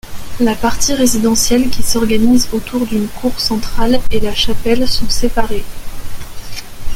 La partie résidentielle qui s'organise autour d'une cour centrale, et la chapelle sont séparées.